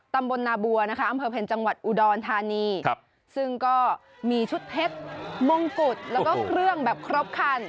ตำบลนาบัวนะคะอำเภอเพ็ญจังหวัดอุดรธานีซึ่งก็มีชุดเพชรมงกุฎแล้วก็เครื่องแบบครบคัน